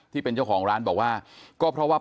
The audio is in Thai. ที่เป็นเจ้าของร้านบอกว่า